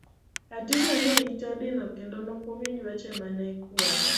Hadija ne ite odino kendo nokowinj weche mane ikwere.